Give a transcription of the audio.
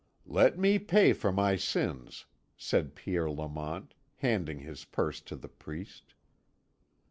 "Let me pay for my sins," said Pierre Lamont, handing his purse to the priest.